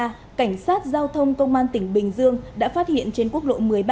cảnh sát giao thông công an tỉnh bình dương đã phát hiện trên quốc lộ một mươi ba